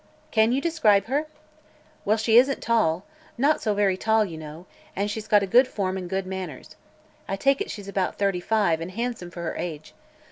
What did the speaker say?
"Can you describe her?" "Well, she isn't tall not so very tall, you know an' she's got a good form an' good manners. I take it she's about thirty five, an' handsome for her age.